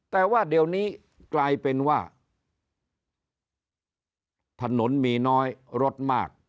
แต่ว่าเดี๋ยวนี้กลายเป็นว่าถนนมีน้อยรถมาก